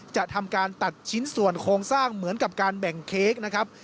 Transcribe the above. จะทำการตัดชิ้นส่วนโครงสร้างเหมือนกับการแบ่งเค้กนะครับ